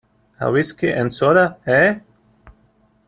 A whisky and soda, eh?